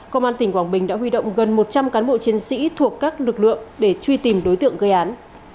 công an tỉnh quảng bình đã huy động gần một trăm linh cán bộ chiến sĩ thuộc các lực lượng để truy tìm đối tượng gây án